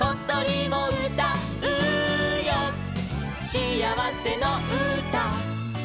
「しあわせのうた」